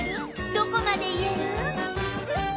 どこまで言える？